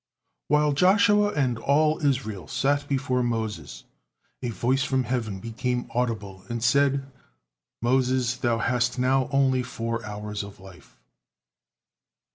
While Joshua and all Israel still sat before Moses, a voice from heaven became audible and said, "Moses, thou hast now only four hours of life."